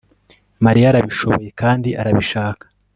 Mariya arabishoboye kandi arabishaka